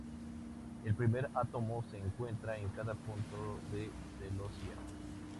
El primer átomo se encuentra en cada punto de celosía.